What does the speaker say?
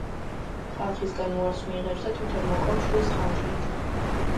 ხალხისგან უარს მიიღებს და თვითონ მოკლავს შვილს ხანჯლით.